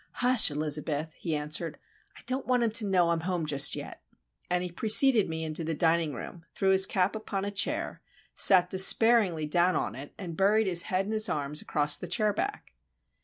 "Hush, Elizabeth," he answered. "I don't want 'em to know that I'm home just yet." And he preceded me into the dining room, threw his cap upon a chair, sat despairingly down on it, and buried his head in his arms across the chair back.